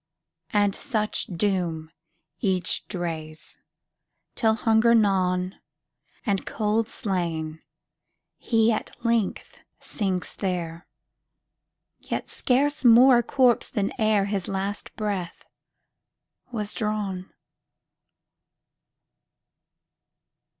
And such doom each drees, Till, hunger gnawn, And cold slain, he at length sinks there, Yet scarce more a corpse than ereHis last breath was drawn.